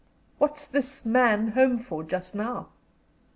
"What's this man home for just now?"